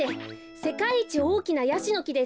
せかいいちおおきなヤシのきです。